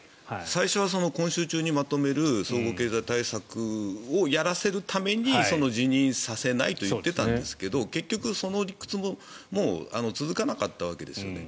最初は今週中にまとめる総合経済対策をやらせるために辞任させないと言っていたんですが結局、その理屈も続かなかったわけですよね。